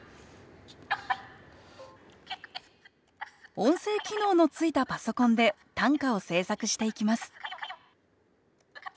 音声機能のついたパソコンで短歌を制作していきます